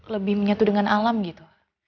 lebih menyatu dengan alam gitu